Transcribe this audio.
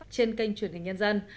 trên kênh truyền hình nhân dân